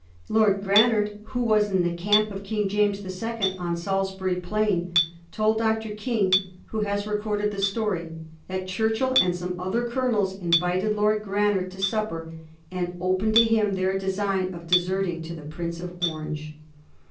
Lord Granard, who was in the camp of King James the Second on Salisbury Plain, told Dr. King, who has recorded the story, that Churchill and some other colonels invited Lord Granard to supper, and opened to him their design of deserting to the Prince of Orange.